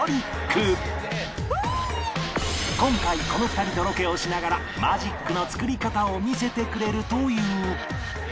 今回この２人とロケをしながらマジックの作り方を見せてくれるという